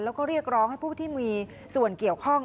แล้วก็เรียกร้องให้ผู้ที่มีส่วนเกี่ยวข้อง